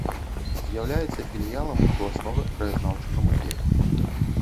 З'яўляецца філіялам абласнога краязнаўчага музея.